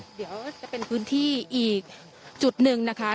เดี๋ยวจะเป็นพื้นที่อีกจุดหนึ่งนะคะ